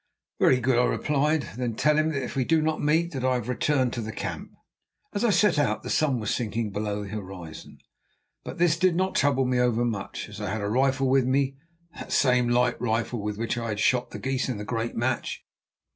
"Very good," I replied. "Then tell him, if we do not meet, that I have returned to the camp." As I set out the sun was sinking below the horizon, but this did not trouble me overmuch, as I had a rifle with me, that same light rifle with which I had shot the geese in the great match.